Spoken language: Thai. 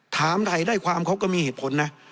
ถามถ่ายได้ความเขาก็มีเหตุผลนะ